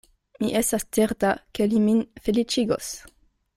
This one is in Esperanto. Mi estas certa, ke li min feliĉigos.